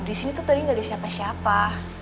disini tuh tadi gak ada siapa siapa